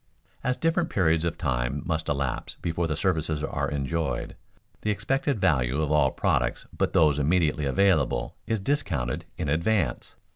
_As different periods of time must elapse before services are enjoyed, the expected value of all products but those immediately available is discounted in advance.